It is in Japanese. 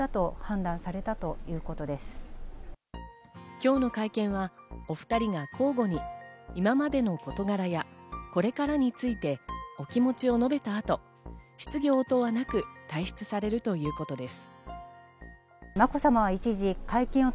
今日の会見はお２人が交互に今までの事柄やこれからについてお気持ちを述べた後、質疑応答はなく、退出されるということです。